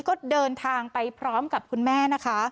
ก็เดินทางไปพร้อมกับคุณแม่นะคะ